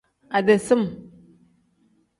Ade sim.